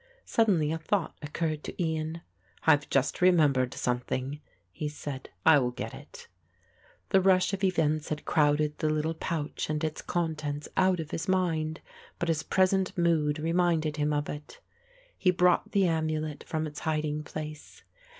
Suddenly a thought occurred to Ian. "I have just remembered something," he said; "I will get it." The rush of events had crowded the little pouch and its contents out of his mind, but his present mood reminded him of it. He brought the amulet from its hiding place.